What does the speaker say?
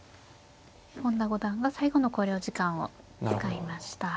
本田五段が最後の考慮時間を使いました。